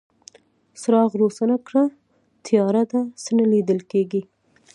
څراغ روښانه کړه، تياره ده، څه نه ليدل کيږي.